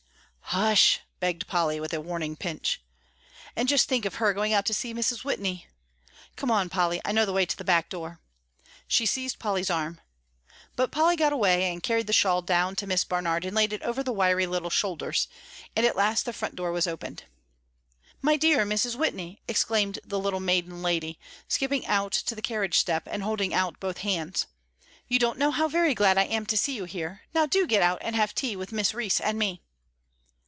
"Hush!" begged Polly, with a warning pinch. "And just think of her going out to see Mrs. Whitney! Come on, Polly, I know the way to the back door," and she seized Polly's arm. But Polly got away, and carried the shawl down to Miss Barnard and laid it over the wiry little shoulders; and at last the front door was opened. "My dear Mrs. Whitney," exclaimed the little maiden lady, skipping out to the carriage step, and holding out both hands, "you don't know how very glad I am to see you here; now do get out and have tea with Miss Rhys and me."